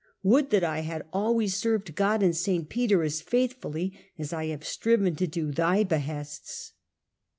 Would that I had always served God and St. Peter as faithfully as I have striven to do thy behests.'